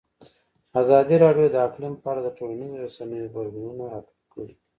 ازادي راډیو د اقلیم په اړه د ټولنیزو رسنیو غبرګونونه راټول کړي.